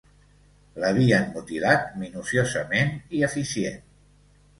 L'havien mutilat minuciosament i eficient.